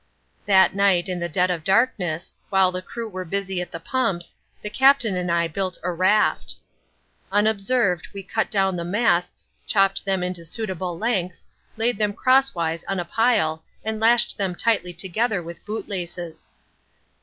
That night, in the dead of darkness, while the crew were busy at the pumps, the Captain and I built a raft. Unobserved we cut down the masts, chopped them into suitable lengths, laid them crosswise in a pile and lashed them tightly together with bootlaces.